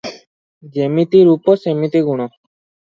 ଯିମିତି ରୂପ ସିମିତି ଗୁଣ ।